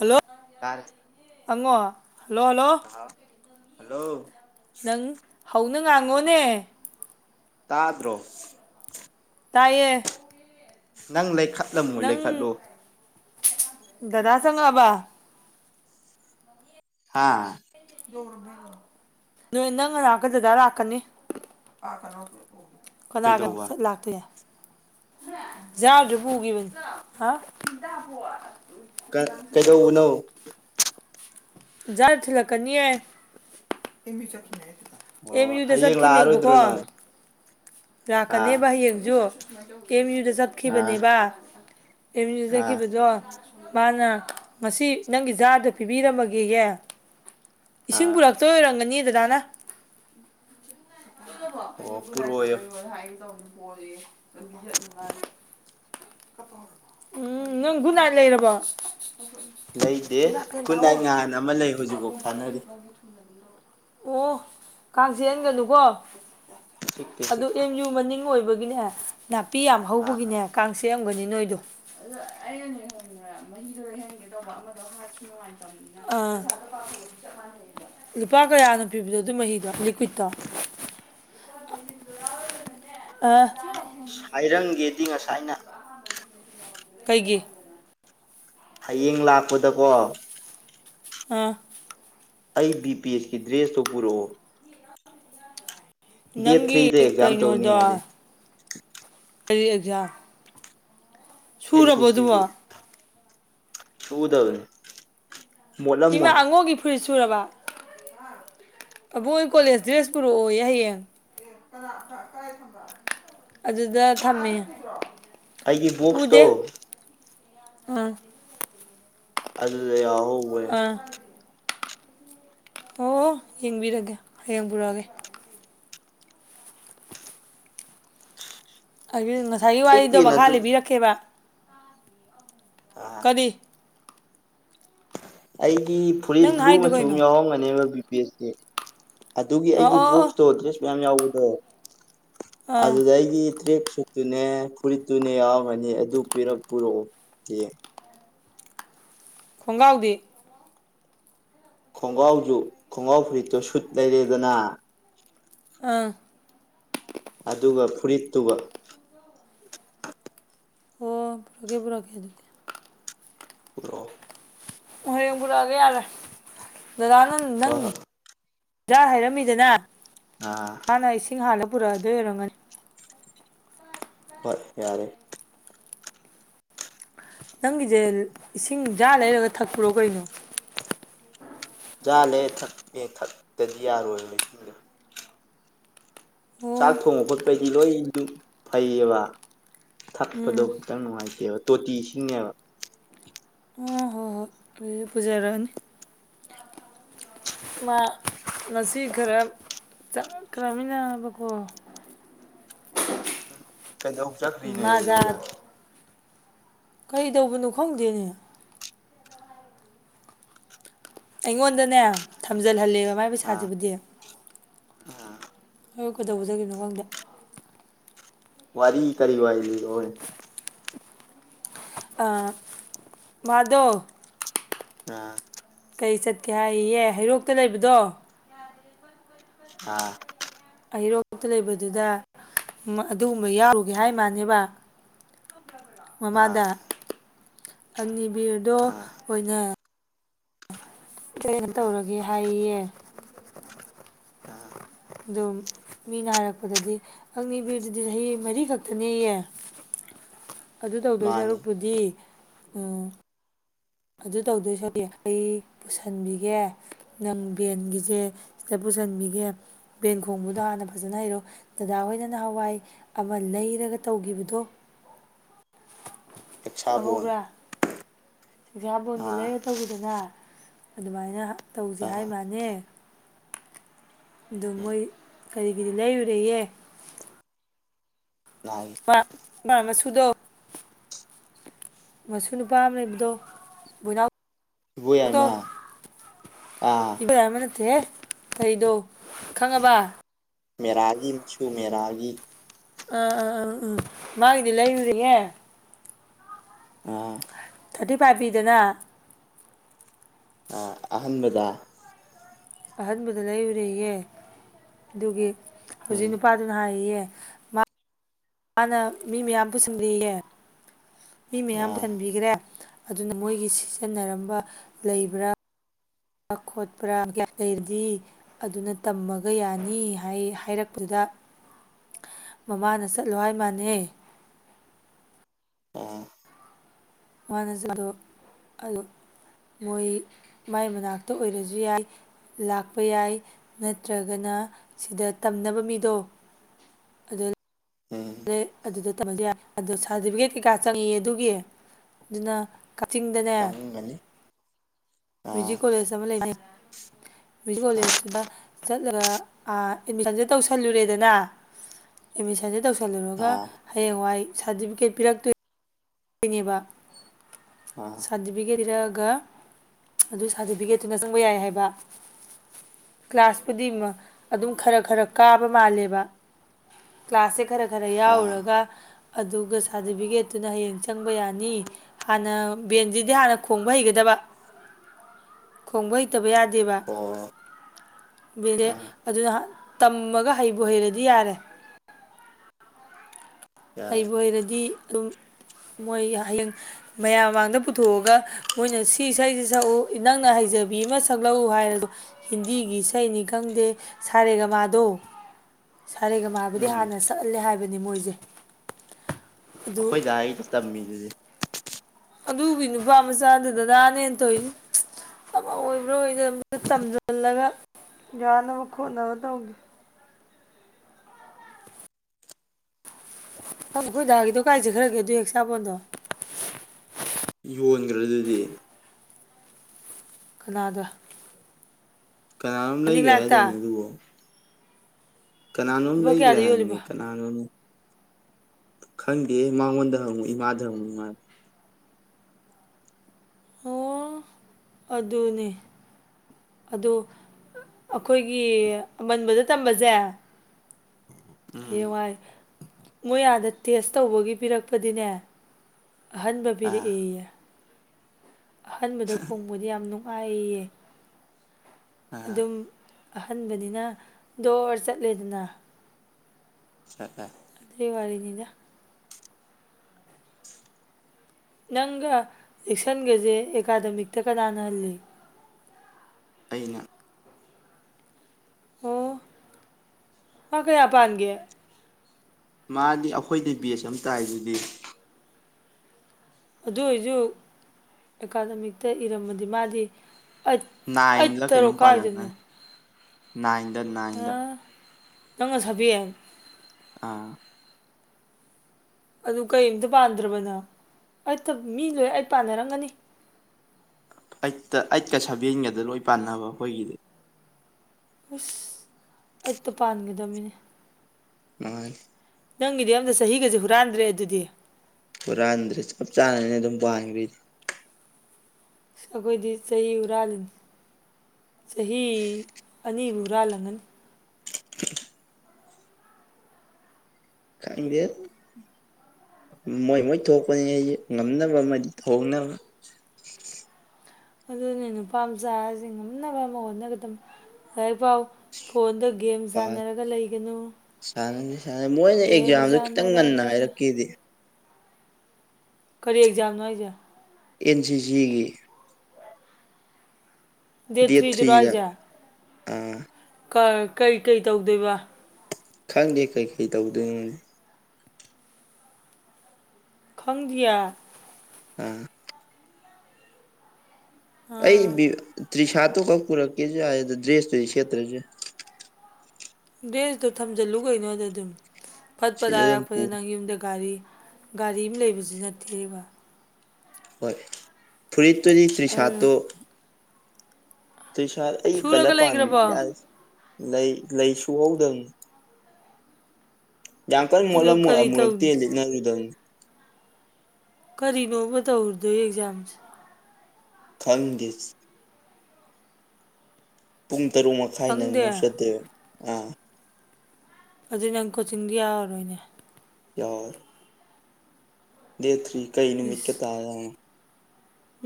Hello ꯇꯥꯏ hello hello hello ꯍꯥꯎ hello ꯅꯪ ꯍꯧꯅ ꯉꯥꯡꯉꯣꯅꯦ ꯇꯥꯗ꯭ꯔꯣ ꯇꯥꯏꯌꯦ ꯅꯪ ꯂꯩꯈꯠ ꯅꯪ ꯗꯗꯥ ꯆꯪꯉꯕ ꯍꯥꯥ ꯅꯣꯏ ꯅꯪ ꯅꯅꯥꯛꯇ ꯗꯗꯥ ꯂꯥꯛꯀꯅꯤ ꯀꯅꯥꯒ ꯀꯩꯗꯧꯕ ꯆꯠ ꯂꯥꯛꯇꯣꯏ ꯖꯥꯔꯗꯤ ꯄꯨꯒꯤ ꯍꯥ ꯀꯩ ꯀꯩꯗꯧꯕꯅꯣ ꯖꯥꯔ ꯊꯤꯜꯂꯛꯀꯅꯤꯌꯦ ꯑꯦꯝ ꯑꯣ ꯌꯨꯗ ꯍꯌꯦꯡ ꯂꯥꯛꯑꯔꯣꯏꯗ꯭ꯔꯣ ꯆꯠꯈꯤꯃꯦꯕꯀꯣ ꯅꯣꯏ ꯑꯥ ꯂꯥꯛꯀꯅꯦꯕ ꯍꯥꯌꯦꯡꯁꯨ ꯑꯦꯝ ꯌꯨꯗ ꯑꯥ ꯆꯠꯈꯤꯕꯅꯦꯕ ꯑꯦꯝ ꯌꯨꯗ ꯑꯥ ꯆꯠꯈꯤꯕꯗꯣ ꯃꯥꯅ ꯉꯁꯤ ꯅꯪꯒꯤ ꯖꯥꯔꯗꯣ ꯄꯤꯕꯤꯔꯝꯃꯒꯦꯌꯦ ꯏꯁꯤꯡ ꯑꯥ ꯄꯨꯔꯛ ꯇꯣꯏ ꯑꯣꯏꯔꯝꯒꯅꯤ ꯗꯥꯗꯥꯅ ꯑꯣ ꯑꯩꯅ ꯒꯨꯠꯅꯥꯏꯠꯇꯨ ꯄꯨꯔꯛꯑꯣꯌꯣ ꯂꯩꯌꯨ ꯍꯥꯏꯒꯦ ꯇꯧꯅꯤ [unintelligible] [unintelligible] ꯎꯝ ꯅꯪ ꯒꯨꯠꯅꯥꯏꯠ ꯂꯩꯔꯕ꯭ꯔꯣ ꯂꯩꯗꯦ ꯒꯨꯠꯅꯥꯏꯠ ꯅꯍꯟ ꯑꯣ ꯀꯥꯡ ꯆꯤꯛ ꯍꯟꯒꯅꯨ ꯀꯣ ꯁꯤꯛꯇꯦ ꯑꯗꯨ ꯁꯤꯛ ꯑꯦꯝ ꯌꯨ ꯃꯅꯤꯡ ꯑꯣꯏꯕꯒꯤꯅꯦ ꯅꯥꯄꯤ ꯌꯥꯝ ꯑꯥ ꯍꯧꯕꯒꯤꯅꯦ ꯀꯥꯡ ꯆꯤꯛ ꯑꯝꯒꯅꯤ ꯅꯣꯏꯗꯨ ꯑꯥ ꯂꯨꯄꯥ ꯀꯌꯥꯅꯣ ꯄꯤꯕꯗꯣ ꯑꯗꯨ ꯃꯍꯤꯗꯣ ꯂꯤꯀꯨꯋꯤꯠꯇꯣ ꯑꯥ ꯍꯥꯏꯔꯪꯒꯦꯗꯤ ꯉꯁꯥꯏꯅ ꯀꯩꯒꯤ ꯍꯌꯦꯡ ꯂꯥꯛꯄꯗ ꯀꯣ ꯑꯥ ꯑꯩ ꯕꯤ ꯄꯤ ꯑꯦꯁꯀꯤ ꯗ꯭ꯔꯦꯁꯇꯣ ꯄꯨꯔꯛ ꯑꯣ ꯗꯦꯠ ꯅꯪꯒꯤ ꯊ꯭ꯔꯤꯗ ꯑꯦꯛꯖꯥꯝ ꯇꯧꯅꯤ ꯀꯩꯅꯣꯗꯣ ꯍꯥꯏꯔꯛꯑꯦ ꯀꯔꯤ ꯑꯦꯛꯖꯥꯝ ꯑꯦꯟ ꯁꯤ ꯁꯨꯔꯕꯣ ꯑꯗꯨꯕꯣ ꯁꯤꯒꯤ ꯁꯨꯗꯝꯅꯤ ꯏꯃꯥ ꯑꯉꯣꯒꯤ ꯐꯨꯔꯤꯠ ꯁꯨꯔꯕ ꯑꯕꯨꯉꯣꯒꯤ ꯀꯣꯂꯦꯖ ꯗ꯭ꯔꯦꯁ ꯄꯨꯔꯛ ꯑꯣ ꯌꯦ ꯍꯥꯌꯦꯡ ꯑꯗꯨꯗ ꯊꯝꯃꯦ ꯑꯩꯒꯤ ꯕꯣꯛꯁꯇꯣ ꯄꯨꯗꯦ ꯑꯥ ꯑꯗꯨꯗ ꯌꯥꯍꯧꯕꯅꯦ ꯑꯥ ꯑꯣ ꯌꯦꯡꯕꯤꯔꯒꯦ ꯍꯥꯌꯦꯡ ꯄꯨꯔꯛꯑꯒꯦ ꯑꯗꯨ ꯉꯁꯥꯏꯒꯤ ꯇ꯭ꯔꯦꯛ ꯋꯥꯔꯤꯗꯣ ꯄꯦꯟꯅ ꯃꯈꯥ ꯑꯗꯨꯝ ꯂꯤꯕꯤꯔꯛꯀꯦꯕ ꯑꯥ [inaudible] ꯑꯩꯒꯤ ꯐꯨꯔꯤꯠ ꯅꯪꯅ ꯕꯂꯨ ꯍꯥꯏꯗꯣ ꯃꯆꯨ ꯑꯃ ꯀꯩꯅꯣ ꯌꯥꯎꯔꯝꯒꯅꯦꯕ ꯕꯤ ꯄꯤ ꯑꯦꯁꯀꯤ ꯑꯗꯨꯒꯤ ꯑ ꯑꯩꯒꯤ ꯑꯣ ꯑꯣ ꯕꯣꯛꯁꯇꯣ ꯗ꯭ꯔꯦꯁ ꯃꯌꯥꯝ ꯌꯥꯎꯕꯗꯣ ꯑꯥ ꯑꯗꯨꯗ ꯑꯩꯒꯤ ꯇ꯭ꯔꯦꯛꯁ ꯁꯨꯠ ꯇꯨꯅꯦ ꯐꯨꯔꯤꯠꯇꯨꯅꯦ ꯌꯥꯎꯔꯝꯒꯅꯤ ꯑꯗꯨ ꯄꯤꯔꯛ ꯄꯨꯔꯛꯑꯣ ꯆꯦ ꯈꯣꯡꯒꯥꯎꯗꯤ ꯈꯣꯡꯒ꯭ꯔꯥꯎꯁꯨ ꯈꯣꯡꯒ꯭ꯔꯥꯎ ꯐꯨꯔꯤꯠꯇꯣ ꯁꯨꯠ ꯂꯩꯔꯦꯗꯅ ꯑꯥ ꯑꯗꯨꯒ ꯐꯨꯔꯤꯠꯇꯨꯒ ꯑꯣ ꯄꯨꯔꯛꯒꯦ ꯄꯨꯔꯛꯀꯦ ꯑꯗꯨꯗꯤ ꯄꯨꯔꯛꯑꯣ ꯍꯌꯦꯡ ꯄꯨꯔꯛꯑꯒꯦ ꯌꯥꯔꯦ ꯗꯗꯥ ꯅꯪ ꯍꯣꯏ ꯍꯣꯏ ꯅꯪꯖꯥꯔ [unintelligible] ꯍꯥꯏꯔꯝꯃꯤꯗꯅ ꯑꯥ ꯃꯥꯅ ꯏꯁꯤꯡ ꯍꯥꯟꯅ ꯄꯨꯔꯛꯑꯗꯣꯏ ꯑꯣꯏꯔꯝꯒꯅꯤ ꯍꯣꯏ ꯌꯥꯔꯦ ꯅꯪꯒꯤꯁꯦ ꯏꯁꯤꯡ ꯖꯥꯔ ꯂꯩꯔꯒ ꯊꯛꯄ꯭ꯔꯣ ꯀꯩꯅꯣ ꯖꯥꯔ ꯂꯩꯔꯥ ꯊꯛꯇ‌ꯦ ꯊꯛꯇ꯭ꯔꯗꯤ ꯌꯥꯔꯣꯏꯕ ꯏꯁꯤꯡꯗꯣ ꯆꯥꯛ ꯑꯣ ꯊꯣꯡꯕ ꯈꯣꯠꯄꯗꯤ ꯂꯣꯏꯗꯨꯝ ꯐꯩꯌꯦꯕ ꯊꯛꯄꯗꯣ ꯎꯝ ꯈꯤꯇꯪ ꯅꯨꯡꯉꯥꯏꯇꯦꯕ ꯇꯣꯇꯤ ꯏꯁꯤꯡꯅꯦꯕ ꯑꯣ ꯍꯣꯏ ꯍꯣꯏ ꯑꯗꯨꯗꯤ ꯄꯨꯖꯥꯔꯛꯑꯅꯤ ꯃꯥ ꯉꯁꯤ ꯈꯔ ꯆꯛꯈ꯭ꯔꯃꯤꯟꯅꯕꯀꯣ ꯀꯩꯗꯧ ꯃꯥ ꯆꯠꯈ꯭ꯔꯤꯅꫭ [unintelligible] ꯖꯥꯔ ꯑꯗꯨꯗ ꯀꯔꯤ ꯇꯧꯕꯅꯣ ꯈꯪꯗꯦꯅꯦ ꯑꯩꯉꯣꯟꯗꯅꯦ ꯊꯝꯖꯜꯍꯜꯂꯦꯕ ꯃꯥꯏ ꯄꯩꯁꯥꯁꯤꯕꯨꯗꯤ ꯑꯥ ꯑꯗꯨ ꯀꯩꯗꯧꯕ ꯆꯠꯈ꯭ꯔꯤꯅꫭ ꯈꯪꯗ‌ꯦ ꯋꯥꯔꯤ ꯀꯔꯤ ꯋꯥꯔꯤ ꯂꯤꯔꯛꯑꫭꯏ ꯑ ꯃꯥꯗꯣ ꯑꯥ ꯀꯩ ꯆꯠꯀꯦ ꯍꯥꯏꯌꯦ ꯍꯩꯔꯣꯛꯇ ꯂꯩꯕꯗꯣ ꯑꯥ ꯍꯩꯔꯣꯛꯇ ꯂꯩꯕꯗꯨꯗ ꯎꯝ ꯑꯗꯨꯒꯨꯝꯕ ꯌꯥꯎꯔꯨꯒꯦ ꯍꯥꯏ ꯃꯥꯅꯦꯕ ꯑꯥ ꯃꯃꯥꯗ ꯑꯛꯅꯤꯕꯤꯔꯗꯣ ꯑꯥ ꯑꯩꯈꯣꯏꯅ ꯀꯩꯅꯣ [unintelligible] ꯇꯧꯔꯒꯦ ꯍꯥꯏꯌꯦ ꯑꯥ ꯑꯗꯨꯝ ꯃꯤꯅ ꯍꯥꯏꯔꯛꯄꯗꯗꯤ ꯑꯛꯅꯤꯕꯤꯔꯗꯨꯗꯤ ꯆꯍꯤ ꯃꯔꯤ ꯈꯛꯇꯅꯦꯌꯦ ꯑꯗꯨ ꯇꯧꯗꯣꯏ ꯃꯥꯅꯤ ꯁꯔꯨꯛꯄꯨꯗꯤ ꯎꯝ ꯑꯗꯨ ꯇꯧꯗꯣꯏ ꯁꯔꯨꯛꯇꯤ ꯑꯩ ꯄꯨꯁꯟꯕꯤꯒꯦ ꯅꯪ ꯕꯦꯟꯒꯤꯁꯦ ꯁꯤꯗ ꯄꯨꯁꯤꯟꯕꯤꯒꯦ ꯕꯦꯟ ꯈꯣꯡꯕꯗꯣ ꯍꯥꯟꯅ ꯐꯖꯅ ꯍꯩꯔꯣ ꯗꯗꯥꯍꯣꯏꯅ ꯅꯍꯋꯥꯏ ꯑꯃ ꯂꯩꯔꯒ ꯇꯧꯈꯤꯕꯗꯣ ꯍꯦꯛꯁꯥꯕꯣꯟ ꯈꯪꯍꯧꯕ꯭ꯔꯥ ꯆꯤꯡꯁꯥꯕꯣꯟꯒꯤ ꯑꯥ ꯂꯩꯔ ꯇꯧꯒꯤ ꯑꯗꯨꯅ ꯑꯗꯨꯃꯥꯏꯅ ꯇꯧꯁꯦ ꯍꯥꯏ ꯑꯥ ꯃꯥꯥꯟꯅꯦ ꯑꯗꫭ ꯃꯣꯏ ꯀꯔꯤꯒꯤꯗꯤ ꯂꯩꯔꯨꯔꯦꯌ‌ꯦ ꯂꯥꯏ ꯃꯥ [unintelligible] ꯃꯁꯨꯨꯗꯣ ꯃꯁꯨ ꯅꯨꯄꯥ ꯑꯃ ꯂꯩꯕꯗꯣ ꯕꫭꯏꯅꯥꯎ ꯏꯕꫭ ꯌꯥꯏꯃꯥ ꯏꯕꫭ ꯌꯥꯏꯃꯥ ꯅꯠꯇꯦꯍꯦ ꯀꯩꯗꯣ ꯈꯪꯉꯕ ꯃꯦꯔꯥꯒꯤ ꯃꯁꯨ ꯃꯦꯔꯥꯒꯤ ꯑꯥ ꯑꯥ ꯑꯥ ꯎꯝ ꯃꯥꯒꯤꯗꯤ ꯂꯩꯔꯨꯔꯤꯉꯦ ꯑꯥ ꯊꯥꯔꯇꯤ ꯐꯥꯏꯚ ꯄꯤꯗꯅ ꯑꯥ ꯑꯍꯥꯟꯕꯗ ꯑꯍꯟꯕꯗꯥ ꯂꯩꯔꯨꯔꯦꯌꯦ ꯑꯗꯨꯒꯤ ꯍꯧꯖꯤꯛ ꯎꯝ ꯅꯨꯄꯥꯗꯨꯅ ꯍꯥꯏꯌꯦ ꯃꯥꯅ ꯃꯤ ꯃꯌꯥꯝ ꯄꯨꯁꯤꯟꯕꯤꯌꯦ ꯃꯤ ꯃꯌꯥꯝ ꯑꯥ ꯄꯨꯁꯟꯕꯤꯈ꯭ꯔꯦ ꯑꯗꯨꯅ ꯃꯣꯏꯒꯤ ꯁꯤꯖꯤꯟꯅꯔꯝꯕ ꯂꯩꯕ꯭ꯔꯥ ꯈꯣꯠꯄ꯭ꯔꯥ ꯒꯌꯥ ꯂꯩꯔꯗꯤ ꯑꯗꯨꯅ ꯇꯝꯃꯒ ꯌꯥꯅꯤ ꯍꯥꯏ ꯍꯥꯏꯔꯛꯄꯗꯨꯗ ꯃꯃꯥꯅ ꯆꯠꯂꯣ ꯍꯥꯏ ꯃꯥꯅꯦ ꯑꯣ ꯃꯥꯅꯖꯗꯣ ꯑꯗꯨ ꯃꯣꯏ ꯃꯥꯏ ꯃꯅꯥꯛꯇ ꯑꯣꯏꯔꯁꯨ ꯌꯥꯏ ꯂꯥꯛꯄ ꯌꯥꯏ ꯅꯠꯇ꯭ꯔꯒꯅ ꯁꯤꯗ ꯇꯝꯅꯕ ꯃꯤꯗꯣ ꯑꯗꯨ ꯎꯝ ꯑꯗꯨꯗ ꯇꯝꯍꯜꯂꯨ ꯌꯥꯏ ꯑꯗꯣ ꯁꯗꯐꯤꯀꯦꯠ ꯀꯩꯀꯥ ꯆꯪꯉꯌꯦ ꯑꯗꯨꯒꯤ ꯑꯗꯨꯅ ꯀꯛꯆꯤꯡꯗꯅꯦ ꯆꯪꯉꯝꯒꯅꯤ ꯑꯥ ꯃ꯭ꯌꯨꯖꯤꯛ ꯀꯣꯂꯦꯖ ꯑꯃ ꯂꯩꯅꯩ ꯃ꯭ꯌꯨꯖꯤꯛ ꯀꯣꯂꯦꯖꯇꯨꯗ ꯆꯠꯂꯒ ꯑꯥ ꯑꯦꯠꯃꯤꯁꯟꯁꯦ ꯇꯧꯁꯜꯂꯨꯔꯦꯗꯅ ꯑꯦꯠꯃꯤꯁꯟꯁꯦ ꯇꯧ ꯆꯜꯂꯨꯔꯒ ꯑꯥ ꯍꯌꯦꯡꯋꯥꯏ ꯁꯥꯔꯇꯤꯐꯤꯀꯦꯠ ꯄꯤꯔꯛꯇꯣꯏꯅꯦꯕ ꯑ ꯁꯥꯔꯇꯤꯐꯤꯀꯦꯠ ꯄꯤꯔꯛꯑꯒ ꯑꯗꯨꯒꯤ ꯁꯥꯔꯇꯤꯐꯤꯀꯦꯠꯇꯨꯅ ꯆꯪꯕ ꯌꯥꯏ ꯍꯥꯏꯕ ꯀ꯭ꯂꯥꯁꯄꯨꯗꯤꯃ ꯑꯗꯨꯝ ꯈꯔ ꯈꯔ ꯀꯥꯕ ꯃꯥꯜꯂꯦꯕ ꯀ꯭ꯂꯥꯁꯁꯦ ꯈꯔ ꯈꯔ ꯑꯥ ꯌꯥꯎꯔꯒ ꯑꯗꯨꯒ ꯁꯥꯔꯇꯤꯐꯤꯀꯦꯠꯇꯨꯅ ꯍꯌꯦꯡ ꯆꯠ ꯆꯪꯕ ꯌꯥꯅꯤ ꯍꯥꯟꯅ ꯕꯦꯟꯁꯤꯗꯤ ꯍꯥꯟꯅ ꯈꯣꯡꯕ ꯍꯩꯒꯗꯕ ꯈꯣꯡꯕ ꯍꯩꯇꯕ ꯌꯥꯗꯦꯕ ꯑꯣ ꯕꯤꯜꯗꯦ ꯑꯥ ꯑꯗꯨꯅ ꯍꯟ ꯇꯝꯃꯒ ꯍꯩꯕꯨ ꯍꯩꯔꯗꯤ ꯌꯥꯔꯦ ꯌꯥꯔꯦ ꯍꯩꯕ ꯍꯩꯔꯗꯤ ꯑꯗꯨꯝ ꯃꯣꯏ ꯍꯌꯦꯡ ꯃꯌꯥꯝ ꯃꯃꯥꯡꯗ ꯄꯨꯊꯣꯛꯑꯒ ꯃꯣꯏꯅ ꯁꯤ ꯏꯁꯩꯁꯤ ꯁꯛꯎ ꯅꯪꯅ ꯍꯩꯖꯕꯤ ꯑꯃ ꯁꯛꯂꯛꯎ ꯍꯥꯏꯔꯖꯨ ꯍꯤꯟꯗꯤꯒꯤ ꯏꯁꯩꯅꯤ ꯈꯪꯗꯦ ꯁꯥꯔꯦꯒꯃꯥꯗꯣ ꯁꯥꯔꯦꯒ ꯃꯥꯥꯕꯨꯗꯤ ꯎꯝ ꯍꯥꯟꯅ ꯁꯛꯍꯜꯂꯦ ꯍꯥꯏꯕꯅꯦ ꯃꯣꯏꯁꯦ ꯑꯗꯨ ꯑꯩꯈꯣꯏꯗꯥꯏꯗ ꯇꯝꯃꯤꯗꯨꯗꯤ ꯑꯗꯨꯒꯤ ꯅꯨꯄꯥ ꯃꯆꯥꯗꯨ ꯗꯗꯥꯅꯦ ꯇꯧꯏ ꯑꯃ ꯑꯣꯏꯕ꯭ꯔꯥ ꯑꯣꯏꯗꯕ ꯇꯝꯖꯤꯜꯂꯒ ꯌꯥꯅꯕ ꯈꯣꯠꯅꯕ ꯇꯧꯗꯦ꯫ ꯈꯟꯗꯦ ꯑꯩꯈꯣꯏꯗꯥꯒꯤꯗꯣ ꯀꯥꯏꯆꯥꯈ꯭ꯔꯒꯦ ꯑꯗꯨꯏ ꯍꯦꯛ ꯁꯥꯕꯣꯟꯗꯣ ꯌꯣꯟꯒꯔꯥ ꯗꯨꯗꯤ ꯀꯥꯅꯥꯗ ꯀꯅꯥꯅꯣꯝ ꯂꯩꯒꯔꯦ ꯍꯥꯏꯗꯥꯏꯅꯦ ꯃꯅꯤꯡꯂꯥꯛꯇ ꯑꯗꯨꯕꯣ ꯀꯅꯥꯅꯣꯝ ꯂꯨꯄꯥ ꯂꯩꯒ꯭ꯔꯦ ꯀꯌꯥꯗ ꯍꯥꯏꯝꯅꯤ ꯌꯣꯜꯂꯤꯕ ꯅꯍꯥꯟ ꯅꯣꯡꯃ ꯈꯪꯗꯦ ꯃꯉꯣꯟꯗ ꯍꯪꯉꯨ ꯏꯃꯥꯗ ꯍꯪꯉꯨ ꯏꯃꯥ ꯑꯣ ꯑꯗꯨꯅꯤ ꯑꯗꯣ ꯑꯩꯈꯣꯏꯒꯤ ꯑꯃꯟꯕꯗ ꯇꯝꯕꯁꯦ ꯎꯝ ꯍꯌꯦꯡꯋꯥꯏ ꯃꯣꯏ ꯑꯥꯗ ꯇꯦꯁ ꯇꯧꯕꯒꯤ ꯄꯤꯔꯛꯄꯗꯤꯅꯦ ꯑꯍꯟꯕ ꯑꯥ ꯄꯤꯔꯛꯑꯌꯦ ꯑꯍꯟꯕꯗ ꯈꯣꯡꯕꯗꯤ ꯌꯥꯝ ꯅꯨꯡꯉꯥꯏꯑꯌꯦ ꯑꯥ ꯑꯗꯨꯝ ꯑꯍꯟꯕꯅꯤꯅ ꯗꯣꯔꯔ ꯆꯠꯂꯦꯗꯅ ꯑ ꯑ ꯑꯗꯨꯏꯋꯥꯔꯤꯅꯤꯗ ꯅꯪꯒ ꯌꯦꯛꯁꯟꯒꯁꯦ ꯑꯦꯀꯥꯗꯃꯤꯛꯇ ꯀꯅꯥꯅꯍꯜꯂꯤ ꯑꯩꯅ ꯑꯣ ꯃꯥ ꯀꯌꯥ ꯄꯥꯟꯒꯦ ꯃꯥꯗꯤ ꯑꯩꯈꯣꯏꯗ ꯕꯦꯁ ꯑꯃ ꯇꯥꯏꯗꯨꯗꯤ ꯑꯗꯨ ꯑꯣꯏꯁꯨ ꯑꯦꯀꯥꯗꯃꯤꯛꯇ ꯏꯔꯝꯃꯗꯤ ꯃꯥꯗꯤ ꯑꯩ ꯅꯥꯏꯟꯂ ꯇꯔꯣ ꯀꯥꯏꯗꯅꯣ ꯅꯥꯟ ꯑ ꯅꯪꯅ ꯁꯥꯕꯤ ꯑꯥ ꯑꯗꯨ ꯀꯔꯤꯝꯇ ꯄꯥꯟꯗ꯭ꯔꯕꯅꯣ ꯑꯩ ꯃꯤ ꯂꯣꯏ ꯑꯩ ꯄꯥꯟꯅꯔꯝꯒꯅꯤ ꯑꯩꯠꯇ ꯑꯩꯠꯀ ꯁꯚꯦꯟꯒꯗ ꯂꯣꯏ ꯄꯥꯟꯅꯕ ꯑꯩꯈꯣꯏꯒꯤ ꯑꯁ ꯑꯩꯠꯇꯣ ꯄꯥꯟꯒꯗꯃꯤꯅꯦ ꯃꯥꯅꯤ ꯅꯪꯒꯤꯗꯤ ꯑꯝꯗ ꯆꯍꯤꯒꯁꯦ ꯍꯨꯔꯥꯟꯗ꯭ꯔꯦ ꯑꯗꯨꯗꯤ ꯍꯨꯔꯥꯟꯗ꯭ꯔꯦ ꯆꯞ ꯆꯥꯟꯅꯅꯤ ꯑꯗꯨꯝ ꯄꯥꯡꯈ꯭ꯔꯁꯤ ꯑꯩꯈꯣꯏꯗꯤ ꯆꯍꯤ ꯍꯨꯔꯥꯜꯂꯤꯅꯤ ꯆꯍꯤ ꯑꯅꯤꯕꯨ ꯍꯨꯔꯥꯜꯂꯝꯒꯅꯤ ꯈꯪꯗꯦ ꯃꯣꯏ ꯃꯣꯏ ꯊꯣꯛꯄꯅꯤ ꯑꯩ ꯉꯝꯅꯕ ꯑꯃꯗꯤ ꯊꯣꯡꯅꯕ ꯑꯗꯨꯅꯤ ꯅꯨꯄꯥ ꯃꯆꯥꯁꯤ ꯉꯝꯅꯕ ꯑꯃ ꯍꯣꯠꯟꯅꯒꯗꯝ ꯂꯥꯢꯔꯤꯛ ꯄꯥꯎ ꯐꯣꯟꯗ ꯒꯦꯝ ꯄꯥꯏ ꯁꯥꯟꯅꯔꯒ ꯂꯩꯒꯅꯨ ꯁꯥꯟꯅꯁꯤ ꯁꯥꯟꯅ ꯃꯣꯏꯅ ꯒꯦꯝ ꯑꯦꯛꯖꯥꯝꯗꯣ ꯈꯤꯇꯪ ꯉꯟꯅ ꯁꯥꯟꯅꯔꯒ ꯍꯥꯏꯔꯛꯀꯦꯗꯦ ꯀꯔꯤ ꯑꯦꯛꯖꯥꯝꯅꯣ ꯍꯥꯏꯁꯦ ꯑꯦꯟ ꯁꯤ ꯁꯤꯒꯤ ꯗꯦꯠ ꯊ꯭ꯔꯤꯗꯨꯔꯣ ꯊ꯭ꯔꯤꯗ ꯍꯥꯏꯁꯦ ꯑꯥ ꯀꯩ ꯀꯩ ꯇꯧꯗꯣꯏꯕ ꯈꯪꯗꯦ ꯀꯩꯀꯩ ꯇꯧꯗꯣꯏꯅꯣ ꯈꯪꯗꯦꯌꯦ ꯎꯝ ꯑꯩ ꯇ꯭ꯔꯤꯁꯥꯠꯇꯨ ꯈꯛ ꯄꯨꯔꯛꯀꯦꯁꯦ ꯌꯥꯏ ꯑꯗ ꯗ꯭ꯔꯦꯁꯇꯨꯗꯤ ꯁꯦꯠꯇ꯭ꯔꯁꯨ ꯌꯥꯢ ꯗ꯭ꯔꯦꯁꯇꯣ ꯊꯝꯖꯤꯜꯂꯨ ꯀꯩꯅꯣ ꯑꯗꯨꯗ ꯑꯗꯨꯝ ꯐꯠꯄ ꯁꯤꯗ ꯑꯗꯨꯝ ꯄꯨ ꯇꯥꯔꯛꯄꯗ ꯅꯪ ꯌꯨꯝꯗ ꯒꯥꯔꯤ ꯒꯥꯔꯤ ꯑꯃ ꯂꯩꯕꯁꯨ ꯅꯠꯇꯦ ꯍꯣꯏ ꯐꯨꯔꯤꯠ ꯇꯨꯗꯤ ꯇ꯭ꯔꯤꯁꯥꯠꯇꯨ ꯇ꯭ꯔꯤꯁꯥꯠ ꯑꯩꯒꯤ ꯁꯨꯔꯒ ꯀꯂꯔ ꯄꯥꯟꯕ ꯂꯩꯈ꯭ꯔꯕꯣ ꯌꯥꯔ ꯂꯩ ꯂꯩ ꯁꯨ ꯍꯧꯗꯕꯤ ꯌꯥꯝ ꯀꯟ ꯑꯗꯨ ꯃꯣꯠꯂꯝ ꯔꯣꯢ ꯀꯔꯤ ꯇꯧ ꯑꯃꯨꯔꯛꯇꯩ ꯍꯦꯟꯅ ꯂꯤꯠꯅꯒꯤꯗꯥꯝꯅꯤ ꯀꯔꯤꯅꯣꯕ ꯇꯧꯔꯨꯗꯣꯏ ꯑꯦꯛꯖꯥꯝꯁꯦ ꯈꯪꯗꯦ ꯁꯦ ꯄꯨꯡ ꯇꯔꯨꯛ ꯃꯈꯥꯏ ꯈꯪꯗꯦ ꯅꯪꯅꯕ ꯆꯠꯇꯣꯢꯅꯦ ꯑꯥ ꯑꯗꯨꯗꯤ ꯅꯪ ꯀꯣꯆꯤꯡꯗꯤ ꯌꯥꯎꯔꯔꯣꯏꯅꯦ ꯌꯥꯎꯔꯔꯣꯢ ꯗꯦꯠ ꯊ꯭ꯔꯤ ꯀꯩ ꯅꯨꯃꯤꯠꯀ ꯏꯁ ꯇꯥꯖꯠꯅꯣ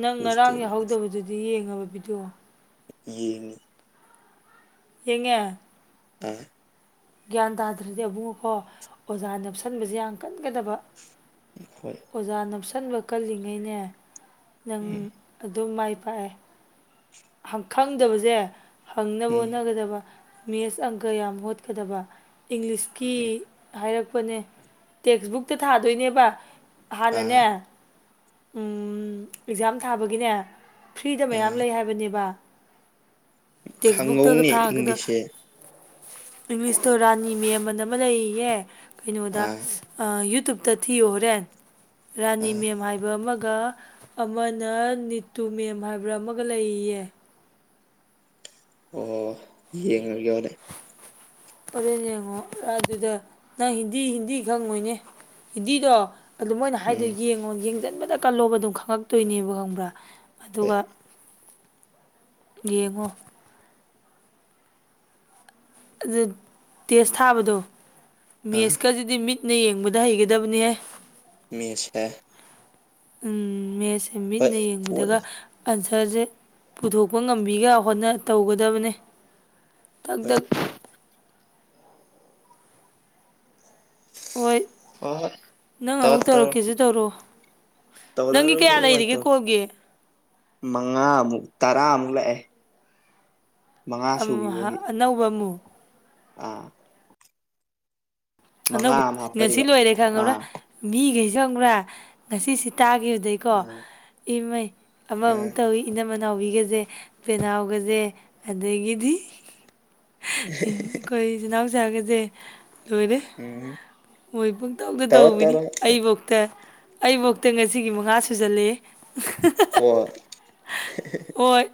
ꯅꯪ ꯉꯔꯥꯡ ꯌꯥꯍꯧꯗꯕꯗꯨꯗꯤ ꯌꯦꯡꯉꯕ ꯄꯤꯗꯤꯑꯣ ꯌꯦꯡꯉꯤ ꯌꯦꯡꯉꯦ ꯎꯝ ꯒ꯭ꯌꯥꯟ ꯇꯥꯗ꯭ꯔꯗꯤ ꯏꯕꯨꯡꯉꯣ ꯀꯣ ꯑꯣꯖꯥ ꯅꯥꯞꯁꯟꯕꯁꯦ ꯌꯥꯝ ꯀꯟꯒꯗꯕ ꯍꯣꯏ ꯑꯣꯖꯥ ꯅꯞꯁꯤꯟꯕ ꯀꯜꯂꯤꯉꯩꯅꯦ ꯅꯪ ꯑꯗꯨꯝ ꯃꯥꯏ ꯄꯥꯛꯑꯦ ꯈꯪꯗꯕꯖꯦ ꯍꯪꯅꯕ ꯎꯝ ꯍꯣꯠꯅꯒꯗꯕ ꯃꯦꯠꯁ ꯑꯪꯀꯥ ꯌꯥꯝ ꯍꯣꯠꯀꯗꯕ ꯏꯪꯂꯤꯁꯀꯤ ꯍꯥꯏꯔꯛꯄꯅꯦ ꯇꯦꯛꯁꯕꯨꯛꯇ ꯊꯥꯗꯣꯏꯅꯦꯕ ꯍꯥꯟꯅꯅꯦ ꯑꯥ ꯎꯝ ꯑꯦꯛꯖꯥꯝ ꯊꯥꯕꯒꯤꯅꯦ ꯐ꯭ꯔꯤꯗ ꯃꯌꯥꯝ ꯑꯥ ꯂꯩ ꯍꯥꯏꯕꯅꯦꯕ ꯇꯦꯛꯁꯕꯨꯛꯇꯒ ꯍꯪꯉꯧꯅꯦ ꯊꯥꯒꯗ ꯏꯪꯂꯤꯁꯁꯦ ꯏꯪꯂꯤꯁꯇꯣ ꯔꯥꯅꯤ ꯃꯦꯝ ꯑꯅꯥ ꯑꯃ ꯂꯩ ꯑꯌꯦ ꯀꯩꯅꯣꯗ ꯑꯥ ꯑ ꯌꯨꯇꯨꯞꯇꯥ ꯊꯤꯌꯣ ꯍꯣꯔꯦꯟ ꯔꯥꯅꯤ ꯑꯥ ꯃꯦꯝ ꯍꯥꯏꯕ ꯑꯃ ꯒ ꯑꯃꯅ ꯅꯤꯇꯨ ꯃꯦꯝ ꯍꯥꯏꯕ꯭ꯔꯥ ꯑꯃꯒ ꯂꯩꯌꯦ ꯑꯣ ꯌꯦꯡꯉꯒꯦ ꯍꯣꯔꯦꯟ ꯍꯣꯔꯦꯟ ꯌꯦꯡꯉꯣ ꯑꯗꯨꯗ ꯅꯪ ꯍꯤꯟꯗꯤ ꯍꯤꯟꯗꯤ ꯈꯪꯉꯣꯏꯅꯦ ꯍꯤꯟꯗꯤꯗꯣ ꯑꯗꯨ ꯃꯣꯏꯅ ꯍꯥꯏꯗꯣ ꯎꯝ ꯌꯦꯡꯉꯣ ꯌꯦꯡꯖꯟꯕꯇꯥ ꯀꯜꯂꯣꯕ ꯑꯗꯨꯝ ꯈꯪꯉꯛꯇꯣꯏꯅꯦꯕ ꯈꯪꯕ꯭ꯔꯥ ꯍꯣꯏ ꯑꯗꯨꯒ ꯌꯦꯡꯉꯣ ꯑꯗꯨ ꯇꯦꯁ ꯊꯥꯕꯗꯣ ꯑꯥ ꯃꯦꯁꯀꯖꯤꯗꯤ ꯃꯤꯠꯅ ꯌꯦꯡꯕꯗ ꯍꯩꯒꯗꯕꯅꯤꯍꯦ ꯃꯦꯁꯁꯦ ꯎꯝ ꯃꯦꯁꯁꯦ ꯍꯣꯏ ꯃꯤꯠꯅ ꯍꯣꯏ ꯌꯦꯡꯕꯗꯒ ꯑꯟꯁꯔꯖꯦ ꯄꯨꯊꯣꯛꯄ ꯉꯝꯕꯤꯒ ꯍꯣꯠꯅ ꯇꯧꯒꯗꯕꯅꯦ ꯇꯛ ꯍꯣꯏ ꯇꯛ ꯍꯣꯏ ꯍꯣꯏ ꯍꯣꯏ ꯅꯪ ꯇꯧꯔꯣ ꯑꯃꯨꯛ ꯇꯧꯔꯣ ꯇꯧꯔꯛꯀꯦꯖꯨ ꯇꯧꯔꯛꯑꯣ ꯅꯪꯒꯤ ꯇꯧꯔꯔꯣꯏ ꯀꯌꯥ ꯍꯣꯔꯦꯟ ꯋꯥꯏ ꯂꯩꯔꯤꯒꯦ ꯇꯧꯔꯣ ꯀꯣꯜꯒꯤ ꯃꯉꯥꯃꯨꯛ ꯇꯔꯥꯃꯨꯛ ꯂꯥꯛꯑꯦ ꯃꯉꯥ ꯑꯝꯍꯥ ꯁꯨꯈꯤꯕꯒꯤ ꯑꯅꯧꯕ ꯑꯃꯨꯛ ꯑꯥ ꯃꯉꯥ ꯑꯅꯧꯕ ꯑꯃ ꯉꯁꯤ ꯍꯥꯞꯄꯛꯏꯕ ꯂꯣꯏꯔꯦ ꯈꯪꯉꯕ꯭ꯔꯥ ꯑꯥ ꯃꯤꯒꯩꯖꯦ ꯈꯪꯕ꯭ꯔꯥ ꯉꯁꯤ ꯁꯤ ꯇꯥꯒꯤꯝ ꯗꯩꯀꯣ ꯏꯃꯩ ꯑꯃꯃꯨꯛ ꯑꯥ ꯇꯧꯋꯤ ꯏꯅꯝꯃꯥ ꯅꯥꯎꯕꯤꯒꯖꯦ ꯄꯦꯅꯥꯎꯒꯖꯦ ꯑꯗꯒꯤꯗꯤ ꯑꯩꯈꯣꯏ ꯏꯆꯤꯟ ꯅꯥꯎꯆꯥꯒꯖꯦ ꯂꯣꯏꯔꯦ ꯎꯝ ꯃꯣꯏ ꯄꯨꯡꯇꯧꯇꯥ ꯇꯧꯔꯣ ꯇꯧꯕꯤꯅꯤ ꯇꯧꯔꯣ ꯑꯩꯕꯧꯇ ꯑꯩꯕꯧꯇ ꯉꯁꯤꯒꯤ ꯃꯉꯥ ꯁꯨꯖꯜꯂꯦ ꯀꯣꯜ ꯍꯣꯏ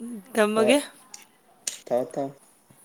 ꯎꯝ ꯊꯝꯃꯒꯦ ꯊꯝꯃꯣ ꯊꯝꯃꯣ